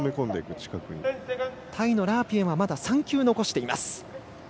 タイのラープイェンはまだ３球残しています。